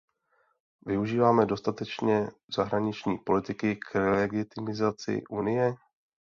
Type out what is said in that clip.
Využíváme dostatečně zahraniční politiky k legitimizaci Unie?